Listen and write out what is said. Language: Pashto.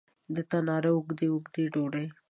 د تناره اوږدې، اوږدې ډوډۍ